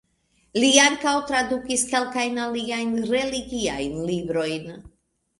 Li ankaŭ tradukis kelkajn aliajn religiajn librojn.